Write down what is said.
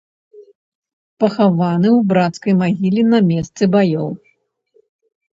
Пахаваны ў брацкай магіле на месцы баёў.